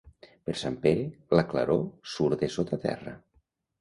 Per Sant Pere, la claror surt de sota terra.